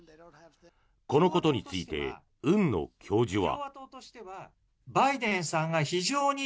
このことについて海野教授は。